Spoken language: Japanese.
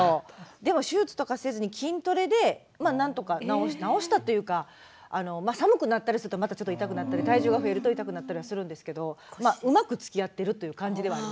でも手術とかせずに筋トレでなんとか治した治したというかまあ寒くなったりするとまたちょっと痛くなったり体重が増えると痛くなったりはするんですけどまあうまくつきあってるという感じではありますね。